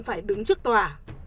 phải đứng trước tòa